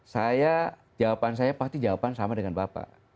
saya jawaban saya pasti jawaban sama dengan bapak